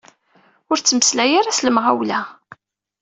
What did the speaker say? Ur ttmeslay ara s lemɣawla.